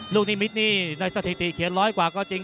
ลูกนิมิตนี่ในสถิติเขียนร้อยกว่าก็จริง